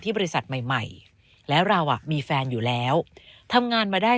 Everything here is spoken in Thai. บริษัทใหม่ใหม่แล้วเราอ่ะมีแฟนอยู่แล้วทำงานมาได้